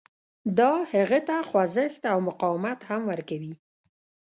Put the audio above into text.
دا هغه ته خوځښت او مقاومت هم ورکوي